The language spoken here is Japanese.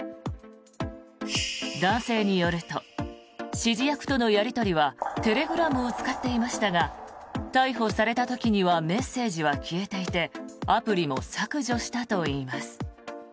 男性によると指示役とのやり取りはテレグラムを使っていましたが逮捕された時にはメッセージは消えていてアプリも削除したといいます。